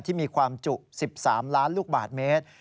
ที่มีความจุ๑๓ล้านลูกบาทเมตร